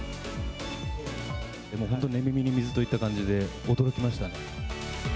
本当に寝耳に水といった感じで驚きましたね。